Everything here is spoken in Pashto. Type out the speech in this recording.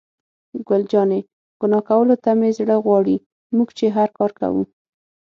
ګل جانې: ګناه کولو ته مې زړه غواړي، موږ چې هر کار کوو.